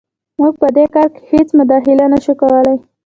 موږ په دې کار کې هېڅ مداخله نه شو کولی.